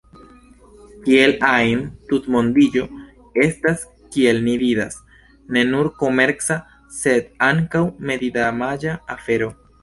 Kiel ajn, tutmondiĝo estas, kiel ni vidas, ne nur komerca sed ankaŭ medidamaĝa afero.